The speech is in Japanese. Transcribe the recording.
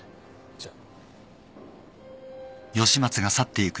じゃあ。